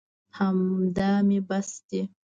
همدا مې بس دي.